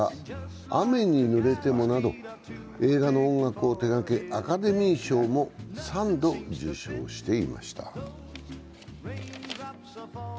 「雨にぬれても」など、映画の音楽を手がけアカデミー賞も３度受賞していました。